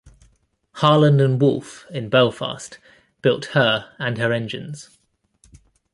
Harland and Wolff in Belfast built her and her engines.